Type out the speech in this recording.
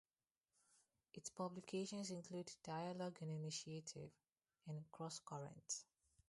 Its publications include "Dialogue and Initiative" and "Crosscurrents.